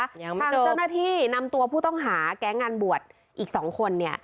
ทางเจ้าหน้าที่นำตัวผู้ต้องหาแก๊งงานบวชอีกสองคนเนี่ย